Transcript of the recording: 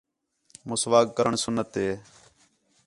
مسواک کرݨ سُنّت ہِے